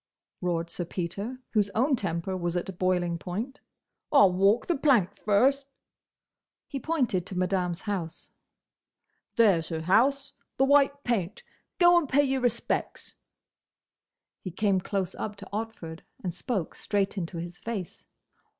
roared Sir Peter, whose own temper was at boiling point. "I'll walk the plank first!" He pointed to Madame's house. "There's her house: the white paint. Go and pay your respects." He came close up to Otford, and spoke straight into his face.